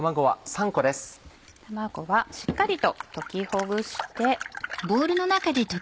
卵はしっかりと溶きほぐして。